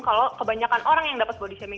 kalau kebanyakan orang yang dapat body shaming